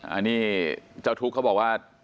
อันนี้เจ้าทุกข์เขาบอกว่า